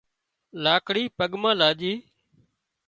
لاڪڙي پڳ مان لاڄي